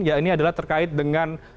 ya ini adalah terkait dengan